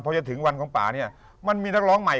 พอจะถึงวันของป่าเนี่ยมันมีนักร้องใหม่